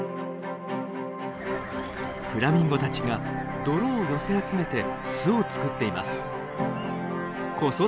フラミンゴたちが泥を寄せ集めて巣を作っています。